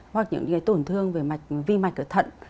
hoặc những cái tổn thương về mạch vi mạch ở thận